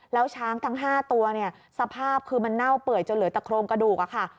แล้วช้างทั้ง๕ตัวเนี่ยสภาพคือมันเน่าเปื่อยจนเหลือแต่โครงกระดูกค่ะ